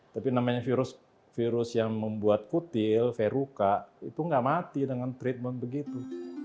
tapi virus yang membuat kutil verruca itu nggak mati dengan treatment begitu